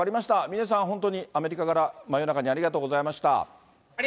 峰さん、本当にアメリカから真夜中にありがとうございました。